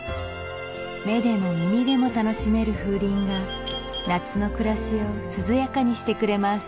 目でも耳でも楽しめる風鈴が夏の暮らしを涼やかにしてくれます